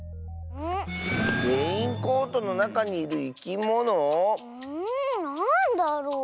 レインコートのなかにいるいきもの？んなんだろう？